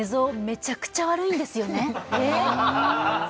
めちゃくちゃ悪いんですよ